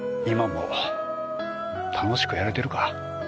今も楽しくやれてるか？